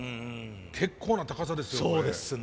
結構な高さですよこれ。